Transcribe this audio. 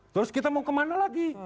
terus kita mau kemana lagi